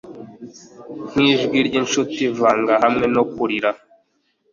nkijwi ryinshuti, vanga hamwe no kurira